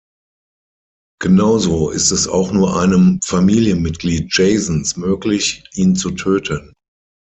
Genauso ist es auch nur einem Familienmitglied Jasons möglich, ihn zu töten.